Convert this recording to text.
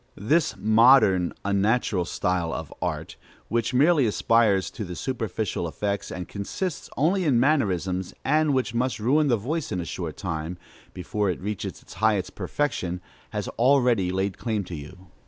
This modern, unnatural style of art, which merely aspires to superficial effects, and consists only in mannerisms, and which must ruin the voice in a short time, before it reaches its highest perfection, has already laid claim to you.